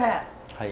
はい。